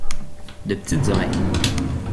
De petites oreilles.